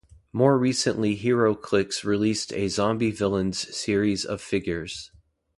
More recently HeroClix released a Zombie Villains series of figures.